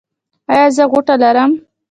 ایا زه غوټه لرم؟